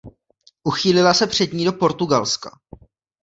Uchýlila se před ní do Portugalska.